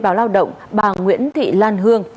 bà nguyễn thị lan hương